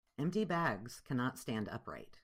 Empty bags cannot stand upright.